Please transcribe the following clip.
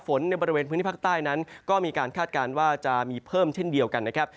ในบริเวณพื้นที่ภาคใต้นั้นก็มีการคาดการณ์ว่าจะมีเพิ่มเช่นเดียวกันนะครับ